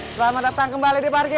selamat datang kembali di parkiran kami